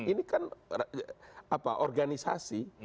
ini kan organisasi